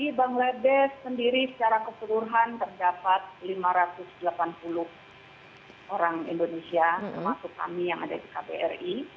di bangladesh sendiri secara keseluruhan terdapat lima ratus delapan puluh orang indonesia termasuk kami yang ada di kbri